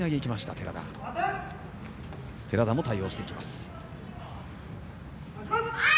寺田も対応していきます。